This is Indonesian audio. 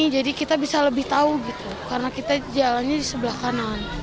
jadi kita bisa lebih tahu gitu karena kita jalannya di sebelah kanan